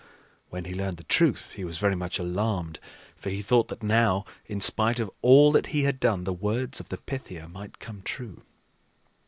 When he learned the truth, he was very much alarmed, for he thought that now, in spite of all that he had done, the words of the Pythia might come true.